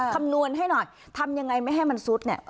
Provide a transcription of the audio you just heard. คำนวณให้หน่อยทำยังไงไม่ให้มันซุดเนี่ย